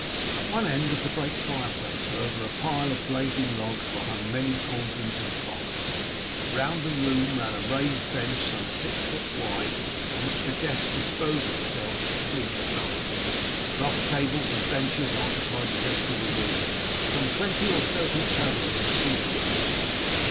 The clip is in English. At one end was the great fireplace where, over a pile of blazing logs, were hung many cauldrons and pots. Round the room ran a raised bench some six feet wide on which the guests disposed themselves for sleep at night; rough tables and benches occupied the rest of the room. Some twenty or thirty travellers were seated at these.